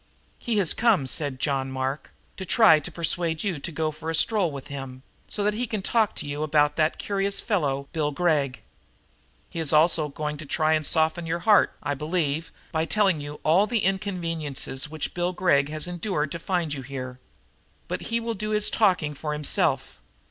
"He has come," said John Mark, "to try to persuade you to go out for a stroll with him, so that he can talk to you about that curious fellow, Bill Gregg. He is going to try to soften your heart, I believe, by telling you all the inconveniences which Bill Gregg has endured to find you here. But he will do his talking for himself.